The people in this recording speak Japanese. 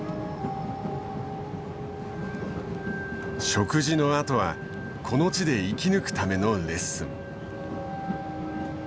食事のあとはこの地で生き抜くためのレッスン。